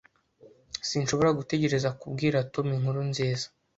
Sinshobora gutegereza kubwira Tom inkuru nziza.